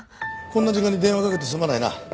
こんな時間に電話かけてすまないな。